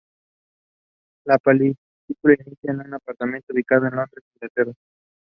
She won the Freshman of the Week Award three different times during the year.